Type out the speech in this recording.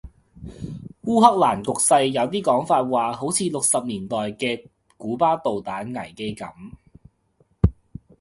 烏克蘭局勢有啲講法話好似六十年代嘅古巴導彈危機噉